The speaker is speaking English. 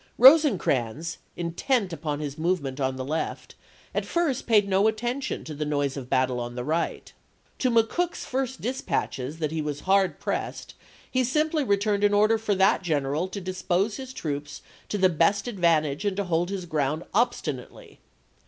Rosecrans, intent upon his movement on the left, at first paid no attention to the noise of battle on the right. To McCook's first disj)atches that he Rosecrans, was hard prcsscd, he simply returned an order for voYxx ^^^^ general to dispose his troops to the best ad D^m"' vantage and to hold his ground obstinately.